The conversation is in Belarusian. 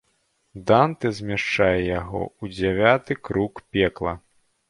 Дантэ змяшчае яго ў дзявяты круг пекла.